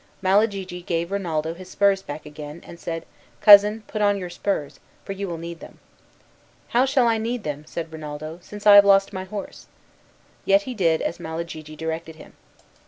Malagigi gave Rinaldo his spurs back again, and said, "Cousin, put on your spurs, for you will need them." "How shall I need them," said Rinaldo, "since I have lost my horse?" Yet he did as Malagigi directed him.